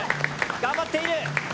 頑張っている！